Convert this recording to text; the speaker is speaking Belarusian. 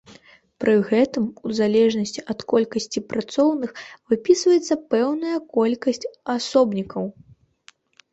Пры гэтым, у залежнасці ад колькасці працоўных, выпісваецца пэўная колькасць асобнікаў.